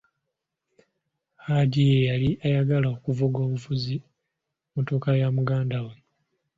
Hajji ye yali ayagala kuvuga buvuzi mmotoka ya muganda we!